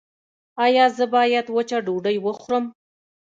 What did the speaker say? ایا زه باید وچه ډوډۍ وخورم؟